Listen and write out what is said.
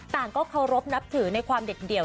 เคารพนับถือในความเด็ดเดี่ยว